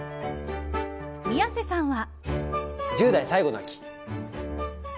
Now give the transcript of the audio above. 宮世さんは。